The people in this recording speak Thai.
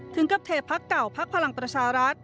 ถึงกับเทพักเก่าพักพลังประชารัฐ